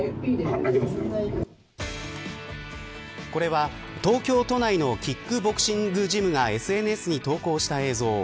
これは、東京都内のキックボクシングジムがＳＮＳに投稿した映像。